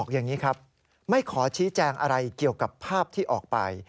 อย่างนี้ครับไม่ขอชี้แจงอะไรเกี่ยวกับภาพที่ออกไป